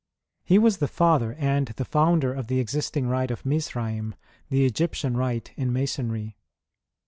He was the father and the founder of the existing rite of Misraira — the Egyptian rite in Masonry.